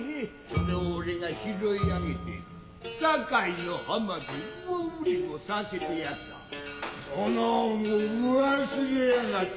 それをおれが拾い上げて堺の浜で魚売をさせてやったその恩を忘れやがって。